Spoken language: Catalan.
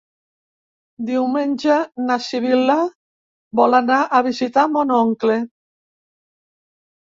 Diumenge na Sibil·la vol anar a visitar mon oncle.